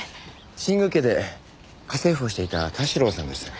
新宮家で家政婦をしていた田代さんです。